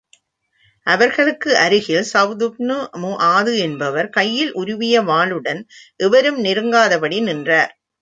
அவர்களுக்கு அருகில் ஸஃதுப்னு மு ஆது என்பவர் கையில் உருவிய வாளுடன் எவரும் நெருங்காதபடி நின்றார்.